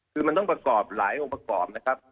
คือมันต้องประกอบหลายองค์ประกอบนะครับ